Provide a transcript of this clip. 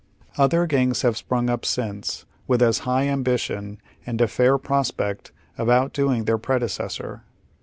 Other gangs have sprung np since with as high ambition and a fair prospect of outdoing their predecessor.